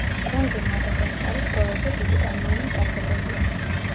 კუნძულ მადაგასკარის ყველაზე დიდტანიანი მტაცებელია.